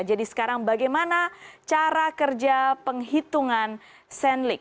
jadi sekarang bagaimana cara kerja penghitungan senlik